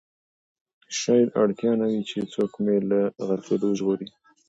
شاید اړتیا نه وي چې څوک مې له غرقېدو وژغوري.